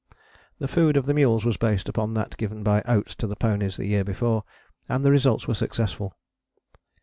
The food of the mules was based upon that given by Oates to the ponies the year before, and the results were successful.